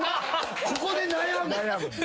ここで悩む？